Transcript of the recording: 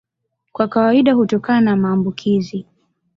Kwa kawaida hutokana na maambukizi.